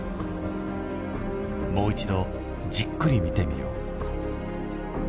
もう一度じっくり見てみよう。